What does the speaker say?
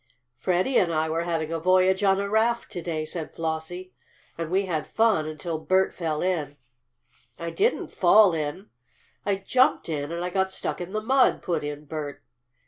"Freddie and I were having a voyage on a raft to day," said Flossie. "And we had fun until Bert fell in." "I didn't fall in I jumped in and I got stuck in the mud," put in Bert.